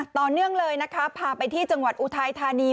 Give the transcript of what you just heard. ต่อเนื่องเลยนะคะพาไปที่จังหวัดอุทัยธานี